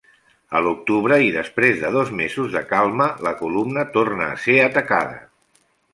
A l'octubre, i després de dos mesos de calma, la columna torna a ser atacada.